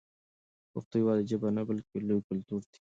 پښتو یوازې ژبه نه بلکې یو لوی کلتور دی.